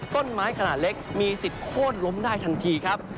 ต้นไม้ขนาดเล็กมีสิทธิ์โค้นล้มได้ทันทีครับ